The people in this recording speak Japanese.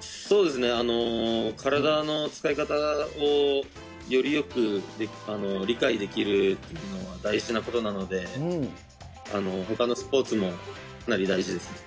そうですね、体の使い方をよりよく理解できるのは大事なことなので、ほかのスポーツもかなり大事ですね。